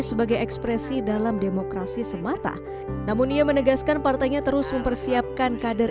sebagai ekspresi dalam demokrasi semata namun ia menegaskan partainya terus mempersiapkan kader